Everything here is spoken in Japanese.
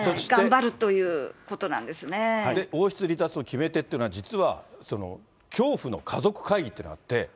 で、王室離脱の決め手というのは、実は恐怖の家族会議っていうのがあって。